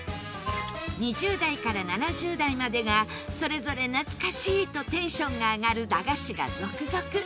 ２０代から７０代までがそれぞれ懐かしい！とテンションが上がる駄菓子が続々！